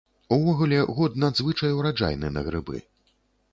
Увогуле, год надзвычай ураджайны на грыбы.